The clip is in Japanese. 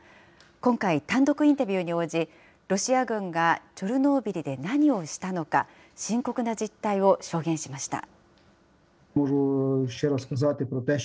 今回、単独インタビューに応じ、ロシア軍がチョルノービリで何をしたのか、深刻な実態を証言しました。